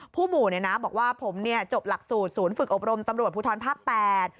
ผู้หมู่บอกว่าผมจบหลักสูตรศูนย์ฝึกอบรมตำรวจภูทรภาค๘